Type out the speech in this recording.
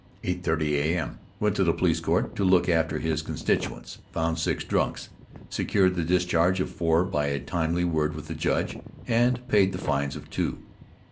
8:30 A.M.: Went to the police court to look after his constituents. Found six "drunks." Secured the discharge of four by a timely word with the judge, and paid the fines of two.